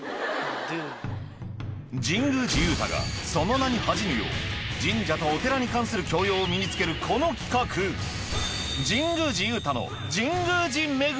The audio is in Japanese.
神宮寺勇太がその名に恥じぬよう神社とお寺に関する教養を身に付けるこの企画はい！